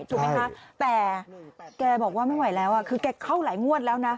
ถูกไหมคะแต่แกบอกว่าไม่ไหวแล้วคือแกเข้าหลายงวดแล้วนะ